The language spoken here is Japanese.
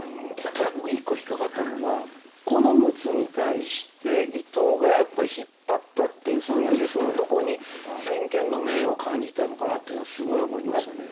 ただ僕１個引っ掛かったのがこの陸奥に対して伊藤がやっぱ引っ張ったっていうその陸奥のどこに先見の明を感じてたのかなっていうのはすごい思いましたね。